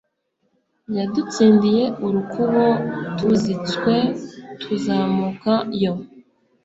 Yadutsindiye urukubo Tuzitswe tuzamuka yo.